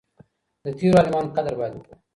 د تيرو عالمانو قدر بايد وکړو.